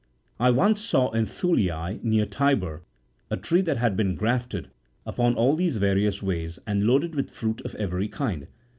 I once saw at Thulise,35 near Tibur, a tree that had been grafted36 upon all these various ways, and loaded with fruit of every kind.